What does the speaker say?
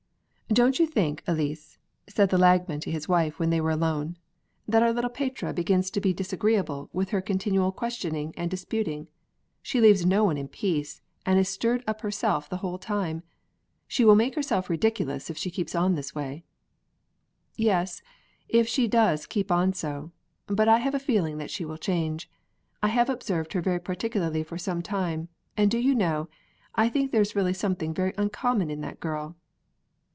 "Don't you think, Elise," said the Lagman to his wife when they were alone, "that our little Petrea begins to be disagreeable with her continual questioning and disputing? She leaves no one in peace, and is stirred up herself the whole time. She will make herself ridiculous if she keeps on in this way." "Yes, if she does keep on so. But I have a feeling that she will change. I have observed her very particularly for some time, and do you know, I think there is really something very uncommon in that girl."